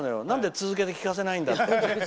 なんで続けて聞かせないんだって。